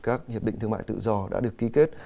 các hiệp định thương mại tự do đã được ký kết